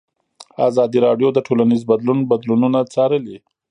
ازادي راډیو د ټولنیز بدلون بدلونونه څارلي.